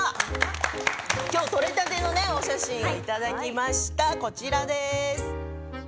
今日撮れたてのお写真をいただきました。